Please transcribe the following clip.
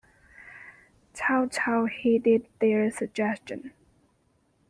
Cao Cao heeded their suggestion.